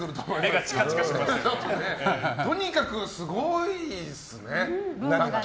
とにかくすごいっすね。